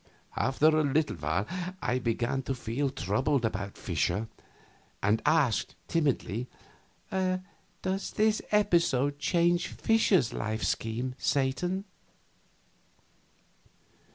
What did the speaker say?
After a little I began to feel troubled about Fischer, and asked, timidly, "Does this episode change Fischer's life scheme, Satan?"